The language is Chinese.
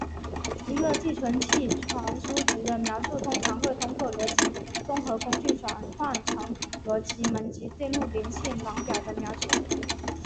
一个寄存器传输级的描述通常会通过逻辑综合工具转换成逻辑门级电路连线网表的描述。